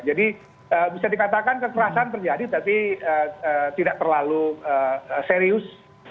jadi bisa dikatakan kekerasan terjadi tapi tidak terlalu serius